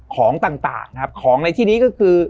ของต่างนะครับของในที่นี้ก็คือ